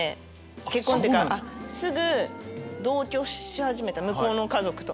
結婚っていうかすぐ同居し始めた向こうの家族と。